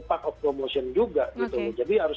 part of promotion juga gitu jadi harus